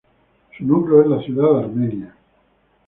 Su núcleo es la ciudad de Armenia.